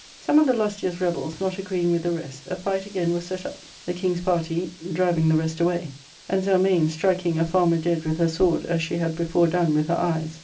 Soifie of the lustiest rebels not agreeing with the rest, a fight again was set up, the king^s party driving the rest away, and Zelmane striking a farmer dead with her sword as she had before done with her eyes.